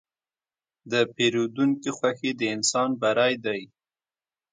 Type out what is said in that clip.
د پیرودونکي خوښي د انسان بری ده.